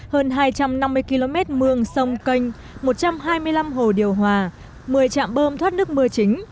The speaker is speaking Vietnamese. hơn hai trăm năm mươi km mương sông kênh một trăm hai mươi năm hồ điều hòa một mươi trạm bơm thoát nước mưa chính